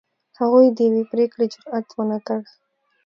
هغوی د یوې پرېکړې جرئت ونه کړ.